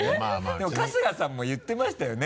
でも春日さんも言ってましたよね